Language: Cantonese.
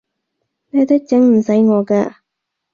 呢啲整唔死我㗎